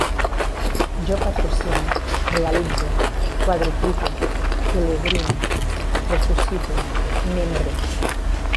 Jo patrocine, realitze, quadruplique, pelegrine, ressuscite, membre